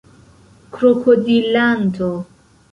krokodilanto